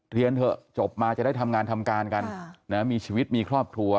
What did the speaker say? เรียนเถอะจบมาจะได้ทำงานทำการกันมีชีวิตมีครอบครัว